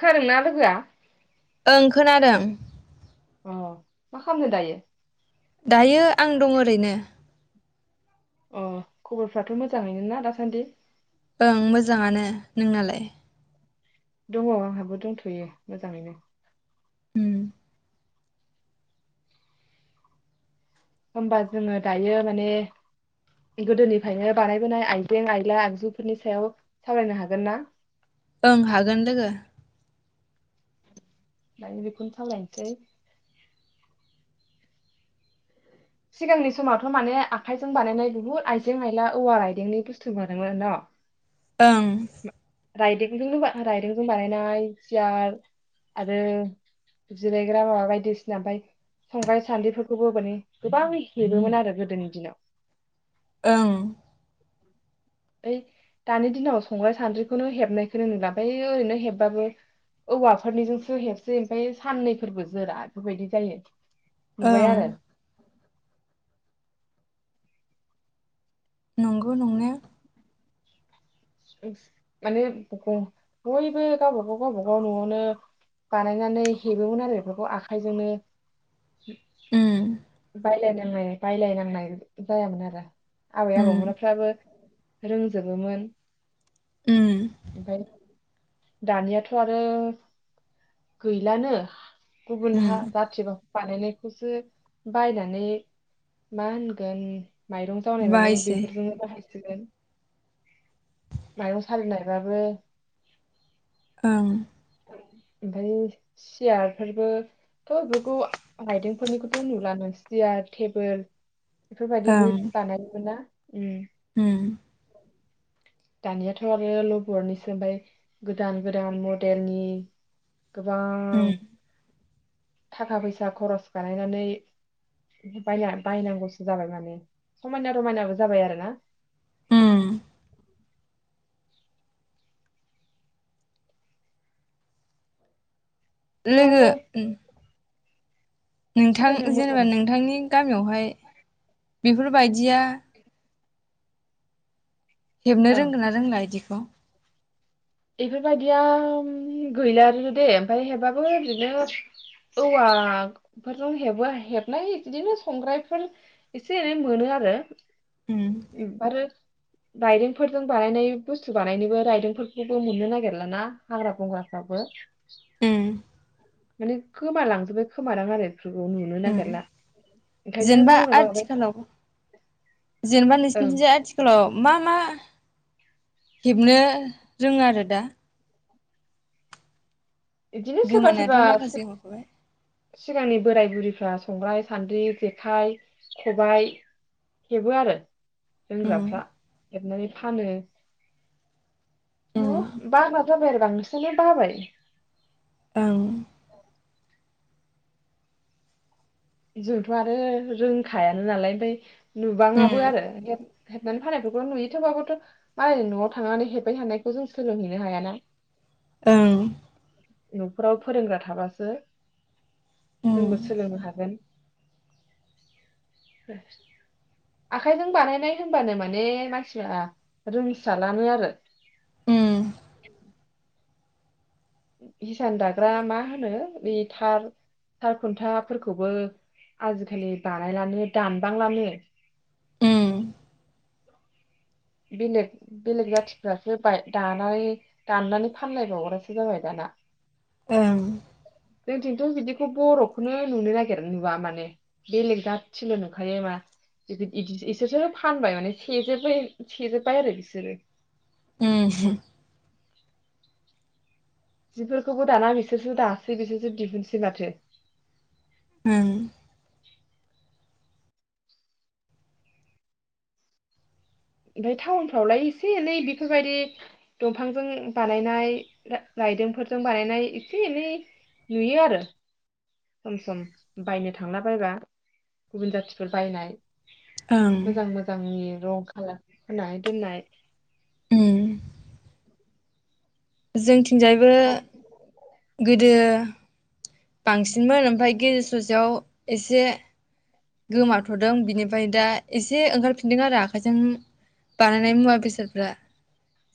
खोनादोंना लोगोआ? ओं खोनादों। अ मा खामनो दायो। दायो आं दं ओरैनो अ खबरफ्राथ मोजाङैनो ना दासान्दि? ओं मोजाङानो नोंनालाय? दङ आंहाबो दंथयो मोजाङैनो। उम होमबा जोङो दायो माने गोदोनिफायनो बानायबोनाय आइजें आयला आगजुफोरनि सायाव सावरायनो हागोन ना। ओं हागोन लोगो। दायो बेखौनो सावरायनोसै। सिगांनि समावथ माने आखाइजों बानायनाय बुहुत आइजें आयला औवा आइदेंनि बुस्थु [unintelligible] ओं बिजोंनो बा राइदोंजों बानायनाय सियार आरो जिरायग्रा माबा बायदिसिना ओमफाय संग्राय सानद्रिफोरखौबो माने गोबां हेबोमोन आरो गोदोनि दिनाव। ओं। ओइ दानि दिनाव संग्राय सान्द्रिखौनो हेबनायखौनो नुला बै ओरैनो हेबबाबो औवाफोरनिजोंसो हेबसै ओमफाय साननैफोरबो जोरा बेफोरबायदि जायो। नुबाय ओं आरो। नंगौ नंनाया। माने बयबो गावबागाव गावबाागाव नआवनो बानायनानै हेबोमोन आरो बेफोरखौ आखाइजोंनो उम बायलायनो नांनाय बायलायनांनाय जायामोन आरो। आबै उम आबौमोनाफ्राबो रों जोबोमोन। उम ओमफाय दानियाथ आरो गैलानो गुबुन उम हा जाथिबाव बानायनायखौसो बायनानै मा होनगोन माइरं जावनायबाबो बाहायसै बेफोरजोंनो बाहाय सिगोन। माइरं सालिनायबाबो। ओं। ओमफय सियार फोरबो थ बेखौ राइदोंफोरनिखौथ नुलानो सियार टेबोल बेफोरबायदिबो ओं बानायोमोन‌ना? उम। उम। दानियाथ आरो लबरनिसो ओमफ्राय गोदान गोदान मडेलनि गोबां उम थाखा फैसा खरस बानायनानै बायना बायनांगौसो जाबाय माने समायना रमायनाबो जाबाय आरो ना। उम लोगो थेवबाबो उम नोंथां सिगांनिया जेनेबा मोजांमोन नोंथांनि गामियावहाय बेफोरबायदिया हेबनो ओं रोंगोना रोंला इदिखो खौ इफोरबायदिया उम गैलानोदे ओमफाय हेब्बाबो बिदिनो औवाफोरजों हेबो हेबनाय बिदिनो संग्रायफोर एसे एनै मोनो उम आरो रायदोंफोरजों बानायनाय बुस्थु बानायनोबो रायदोंफोर जेबो मोननो नागिरलााना हाग्रा बंग्राफ्राबो उम माने गोमालांजोबबाय खोमादां आरो बेफोरखौ नुनो उम नागिरला ओंखायनो जेनेबा मावनो बाबाय आथिखालाव जेनेबा ओं नोंसिथिंजा आथिखालाव मा मा हेबनो रोङो आरो दा। बिदिनो सोरबा गोमानायाथ' सोरबा माखासे हरबाय सिगांनि बोराय बुरिफ्रा संग्राय सान्द्रि जेखाइ खबाइ हेबो आरो उम रोंग्राफ्रा हेबनानै फानो न उम बाग्रा जाबाय आरो बां बाबाय ओं जोंथ आरो रोंखायान नालाय ओमफफ्राय उम नुबाङाबो आ हेबनानै फाननायफोरखौ नुयोथबाबोथ मालै नआव थांनानै हेबबाय हानायखौ जों सोलोंहैनो हायाना ओं नफोराव फोरोंग्रा थाबासो उम जोंबो सोलोंनो हागोन आखाइजों बानायनाय होनबानो माने मानसिफ्रा रोसा लानो आरो [inaudible] उम हिसान दाग्रा मा होनो बे थार थार खुन्थाफोरखौबो आजिखालि बानायलानो दानबांलानो उम बेलेग बेलेग जाथिफ्रासो दानानै दाननानै फानलायबावगासो जाबाय दाना ओं जोंथिथ बिदिखौ बरखौनो नुनो नागिर नुवा माने बेलेग जाथिल नुखायो मा बिसोरसोर फानबाय माने सेजोबबाय सेजोब्बाय आरो बिसोरो उम जिफोरखौबो दाना बिसोरसो दासै बिसोरसो दिहुनसै माथो होम ओमफफ्राय टाउनफ्रावलाय एसे एनै बेफोरबायदि दंफांजों बानायनाय रायदोंफोरजों बानायनाय एसे एनै नुयो आरो सम सम बायनो थांला बायबाय गुबुन जाथिफोर बायनाय ओं मोजां मोजांनि रं खालार फुनानै दोननाय उम जोंथिं थिंजायबो गोदो बांसिनमोन ओमफ्राय गेजेर ससेयाव एसे गोमाथदों बिनिफ्राय दा एसे ओंखारफिनदों आरो आखाइजों बानायनाय मुवा बेसादफ्रा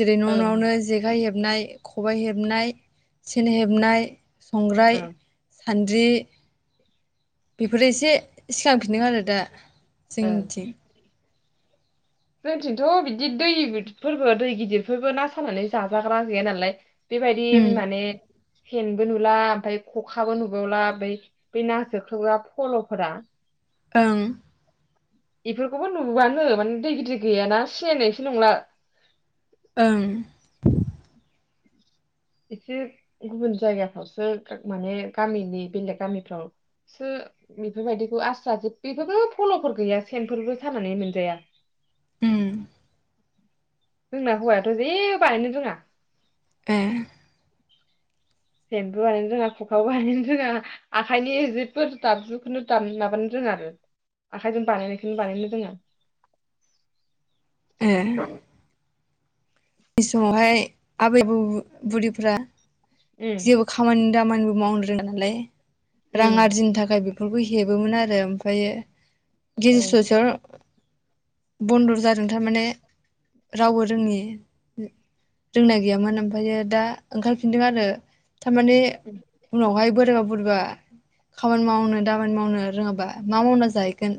जेरै ओं नआवनो जेखाइ हेब हेबनाय खबाय हेबनाय सेन हेबनाय संग्राय ओं सानद्रि बेफोरो एसे इस्लाम बिदिनो आरो दा ओं जोंनिथिं जोंथिंथ' बिदि दैदिरफोरबो दै गिदिरफोरबो ना सानानै जाजाग्रा गैया नालाय बेबायदि उम माने सेनबो नुला ओमफ्राय खखाबो नुबावला ओमफ्राय बे नाजोख्लोबग्रा फल फोरा ओं इफोरखौबो नुबुबानो माने दै गिदिर गैयाना सिनायनायसो नंला। ओं एसे गुबुन जायगाफ्रावसो माने गामिनि बेलेग गामिफ्राव सो बेफोरबायदिखौ आस्रा जे बेफोरबो फलफोर गैया सेनफोरबो सानानै मोनजाया। उम जोंना हौवायाथ' जेबो बानायनो रोङा। ऐ सेनबो बानायनो रोङा खुखाबो बानायनो रोङा आखाइनि जेब्बो दाबजुखौनो दाम माबानो रोङा आरो आखायजों बानायनायखौनो बानायनो रोङा। ऐ जाय समावहाय आबै बु-बु-बुरिफ्रा उम जेबो खामानि दामानिबो मावनो रोंडानालाय रां उम आरजिनो थाखाय बे बेफोरखौ हेबोमोन आरो ओं ओमफायो [unintelligible] बन्दर जादों थारमाने रावबो रोङि रोंनाय गैयामोन ओमफायो दा ओंखारफिनदों आरो थारमाने उम उनावहाय बोराया बुरैबा खामानि मावनो दामानि मावनो रोङाबा मा मावना जाहैगोन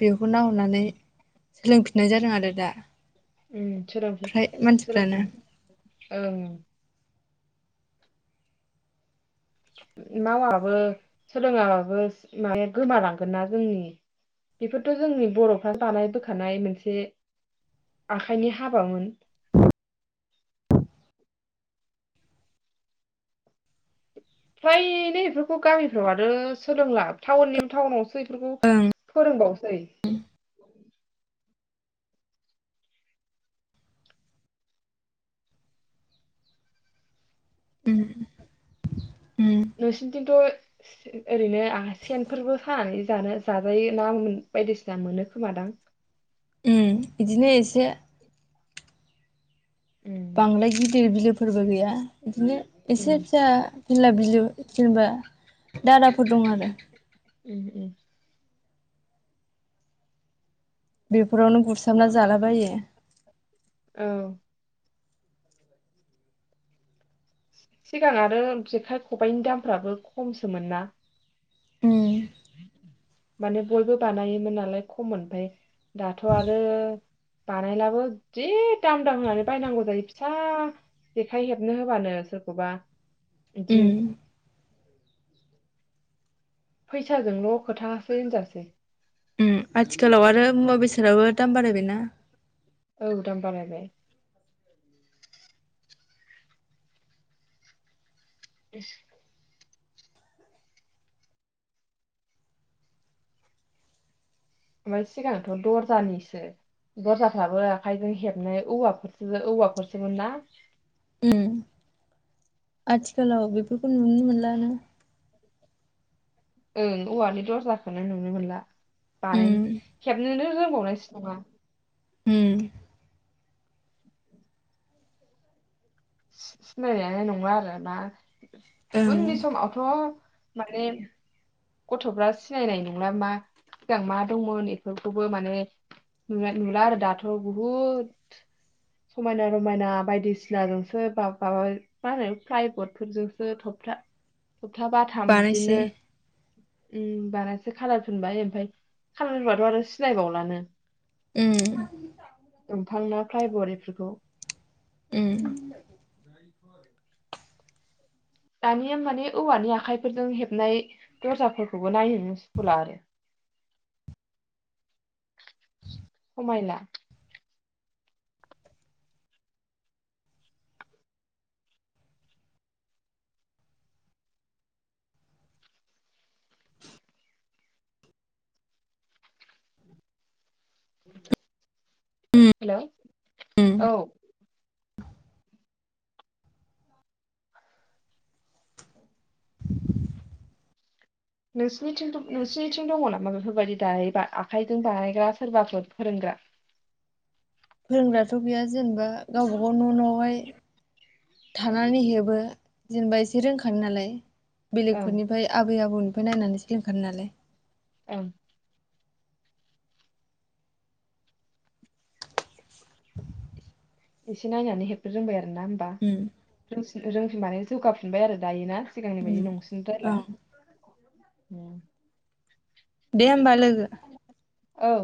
बे उनाव नुनानानै सोलोंफिननाय जादों आरो दा ओमफ्राय मानसि [unintelligible] औ मावाबो सोलोङाबाबो माने गोमालांगोना जोंनि बेफोरथ' जोंनि बर'फ्रा बानाय बोखानाय मोनसे आखाइनि हाबामोन। फ्रायनो बेफोरखौ गामिफ्राव आरो सोलोंला टाउवोननि टाउनावसो बेखौ फोरोंबावसै। उम उम नोंसिनिंथिंथ' ओरैनो आ सेनफोरबो सानानै जानो जाजायो ना बायदिसिना मोनो खोमादां? उम बिदिनो एसे उम बांद्राय गिदिर बिलोफोरबो गैया। बिदिनो एसे उम फिसा बिला बिलो जेनबा दाराफोर दं आरो उम उम बेफोरावनो गुरसाबना जालाबायो। औ सिगां आरो जेखाइ ख'बाइनि दामफ्राबो खमसोमोन ना। उम माने बयबो बानायोमोन नालाय खममोन ओमफाय दाथ आरो बानायलाबो जि दाम दाम होनानै बायनांगौ जायो फिसा जेखाइ हेबनो होबानो सोरखौबा उम बिदिनो फैसाजोंल' खोथासो होनजासै। [unintelligible] आथिखालाव आरो मुवा बेसादाबो दाम बारायबायना। औ दाम बारायबाय। इस ओमफाय सिगांथ' दरजानिसो दरजाफ्राबो आखाइजों हेबनाय औवाफोरजो औवाफोरसोन ना। उम्म आथिखालाव बेफोरखौ नुनो मोनलानो ओं औवानि दरजाखोनो नुनो मोनला। उम बानायनो हेबसेनो रो होबावनायसो नङा उम सि-सिनायनायानो नंला आरो ना ओं उननि समा थ माने गथ'फ्रा सिनायनाय नंला मा सिगां मा दंमोन बेफोरखौबो माने नुनाय नुला आरो दाथ बुहुद समायना रमायना बायदिसिना नु सोरबा बा मा होनो फ्लायबर्ड फोरजोंसो थबथा थबप्ता बाथाम बानायसै बिदिनो उम्म बानायसै खालार फुनबाय ओमफाय खालार फुनबाथ आरो सिनायबावलानो उम्म दंफां ना फ्लायबर्ड एफोरखौ उम दानिया माने औवानि आखाइफोरजों हेबनाय दर्जाफोरखौबो नायनोनो सुखुला आरो समायला [unintelligible] हेल' उम औ नोंसोरनिथिं थ' नोंसोरनिथिं दंङ नामा बेफोरबायदि दायो बा आखाइजों बानायग्रा सोरबाफोर फोरोंग्रा? फोरोंग्राथ गैया जेनेबा गावबागाव न' न' हाय थानानै हेबो जेनेबा एसे रोंखायो नालाय। ओं बेलेगफोरनिफाय आबै आबौनि निफाय नायनानै सोलोंखानाय नालाय औ एसे नायनानै हेबनो रोंबाय आ ना होनबा उम [unintelligible] रोंफिननानै जौगाफिनबाय आरो दायो ना सिगांनि बायदि नंसिन औ द्रायला उम्म दे होमबा लोगो। औ